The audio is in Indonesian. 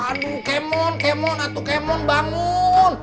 aduh kemon kemon atau kemon bangun